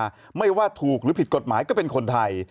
ไม่ว่าถูกหรือผิดกฎหมายก็เป็นคนไทย